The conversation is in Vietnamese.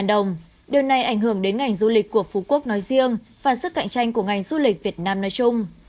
điều này ảnh hưởng đến ngành du lịch của phú quốc nói riêng và sức cạnh tranh của ngành du lịch việt nam nói chung